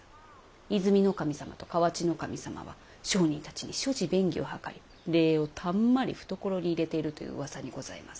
和泉守様と河内守様は商人たちに諸事便宜を図り礼をたんまり懐に入れているという噂にございます。